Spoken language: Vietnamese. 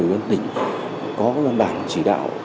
công an tỉnh có văn bản chỉ đạo